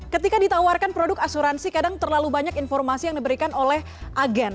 ketika ditawarkan produk asuransi kadang terlalu banyak informasi yang diberikan oleh agen